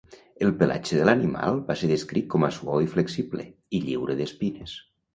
El pelatge de l'animal va ser descrit com suau i flexible, i lliure d'espines.